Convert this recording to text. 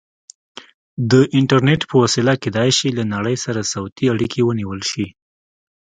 د انټرنیټ په وسیله کیدای شي له نړۍ سره صوتي اړیکې ونیول شي.